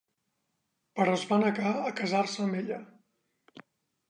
Però es va negar a casar-se amb ella.